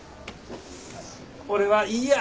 俺はいいや。